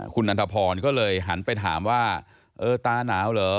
คุณนันทพรก็เลยหันไปถามว่าเออตาหนาวเหรอ